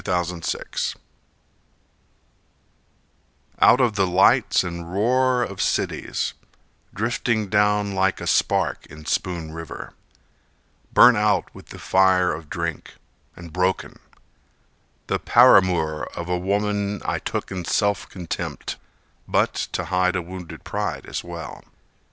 Harmon Whitney Out of the lights and roar of cities, Drifting down like a spark in Spoon River, Burnt out with the fire of drink, and broken, The paramour of a woman I took in self contempt, But to hide a wounded pride as well.